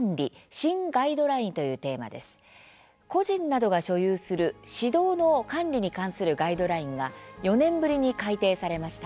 個人などが所有する、私道の管理に関するガイドラインが４年ぶりに改訂されました。